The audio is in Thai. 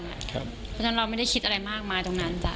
เพราะฉะนั้นเราไม่ได้คิดอะไรมากมายตรงนั้นจ้ะ